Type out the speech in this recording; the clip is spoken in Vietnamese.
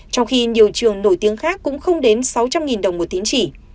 trong khi nhiều trường nổi tiếng khác cũng không đến sáu trăm linh đồng một tín chỉ